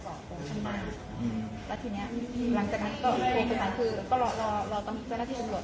สวัสดีครับ